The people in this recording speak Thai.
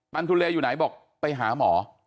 ทุเลอยู่ไหนบอกไปหาหมอ